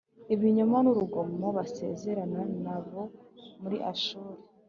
ibinyoma n urugomo Basezerana n abo muri Ashuri